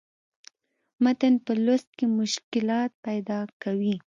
متن پۀ لوست کښې مشکلات پېدا کوي